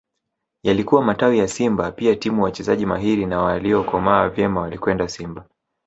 Yalikuwa matawi ya Simba pia timu wachezaji mahiri na waliokomaa vyema walikwenda Simba